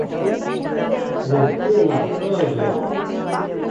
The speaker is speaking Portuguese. protelatório